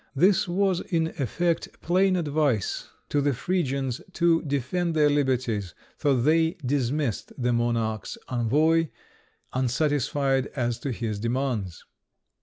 This was, in effect, plain advice to the Phrygians to defend their liberties; so they dismissed the monarch's envoy, unsatisfied as to his demands.